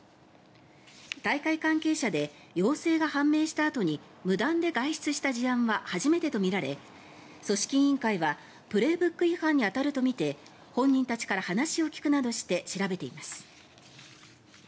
大会関係者で陽性が判明したあとに無断で外出した事案は初めてとみられ組織委員会は「プレーブック」違反に当たるとみて本人たちから話を聞くなどして調べています。